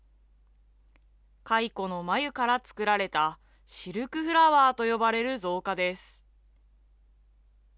蚕の繭から作られた、シルクフラワーと呼ばれる造花です。